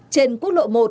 trên quốc lộ một